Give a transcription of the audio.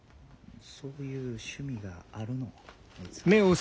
そういう趣味があるのあいつ。